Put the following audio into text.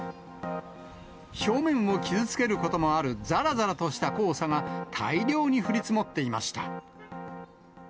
表面を傷つけることもあるざらざらとした黄砂が、大量に降り積もっていました。